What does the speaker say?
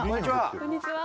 こんにちは！